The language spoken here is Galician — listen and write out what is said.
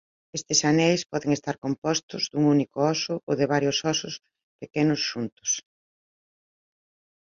Estes aneis poden estar compostos dun único óso ou de varios óso pequenos xuntos.